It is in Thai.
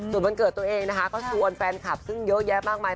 ส่วนวันเกิดตัวเองนะคะก็ชวนแฟนคลับซึ่งเยอะแยะมากมาย